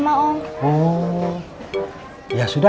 mas suha berani ya